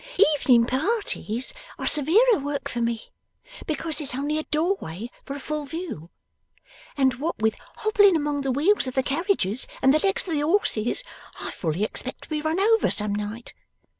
Evening parties are severer work for me, because there's only a doorway for a full view, and what with hobbling among the wheels of the carriages and the legs of the horses, I fully expect to be run over some night.